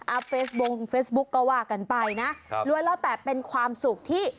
อ่ะเฟสบุ๊คก็ว่ากันไปนะรวมแล้วแต่เป็นความสุขที่